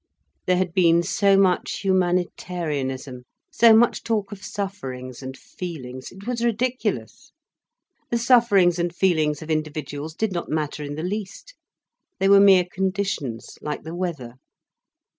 There had been so much humanitarianism, so much talk of sufferings and feelings. It was ridiculous. The sufferings and feelings of individuals did not matter in the least. They were mere conditions, like the weather.